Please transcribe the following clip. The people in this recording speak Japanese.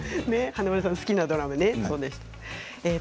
華丸さんの好きなドラマの話でしたね。